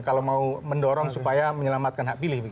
kalau mau mendorong supaya menyelamatkan hak pilih